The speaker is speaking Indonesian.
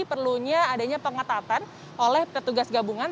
perlunya adanya pengetatan oleh petugas gabungan